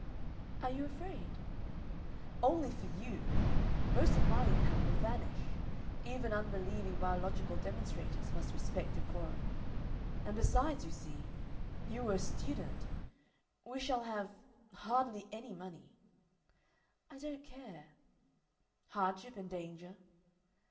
"Are you afraid?" "Only for you! Most of my income will vanish. Even unbelieving biological demonstrators must respect decorum; and besides, you see you were a student. We shall have hardly any money." "I don't care." "Hardship and danger."